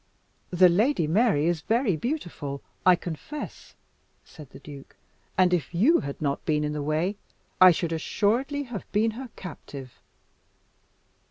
"The Lady Mary is very beautiful, I confess," said the duke; "and if you had not been in the way, I should assuredly have been her captive."